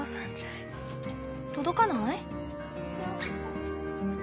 届かない？